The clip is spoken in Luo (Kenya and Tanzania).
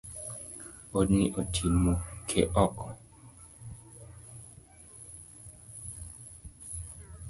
Odni oti muke oko.